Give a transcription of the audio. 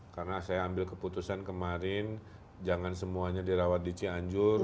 karena saya ambil keputusan kemarin jangan semuanya dirawat di cianjur